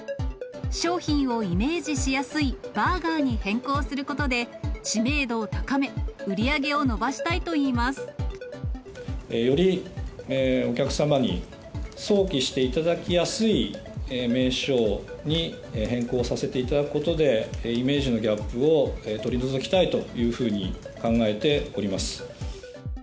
商品をイメージしやすいバーガーに変更することで、知名度を高め、売り上げを伸ばしたいといいます。よりお客様に想起していただきやすい名称に変更させていただくことで、イメージのギャップを取り除きたいというふうに考えております。